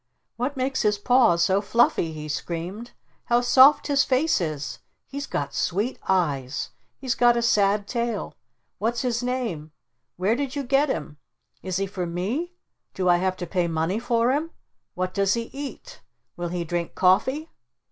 "What makes his paws so fluffy?" he screamed. "How soft his face is! He's got sweet eyes! He's got a sad tail! What's his name? Where did you get him? Is he for me? Do I have to pay money for him? What does he eat? Will he drink coffee?"